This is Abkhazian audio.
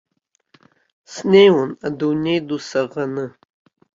Снеиуан адунеи ду саӷаны.